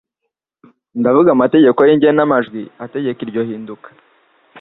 ndavuga amategeko y'igenamajwi ategeka iryo hinduka,